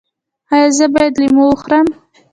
ایا زه باید لیمو وخورم؟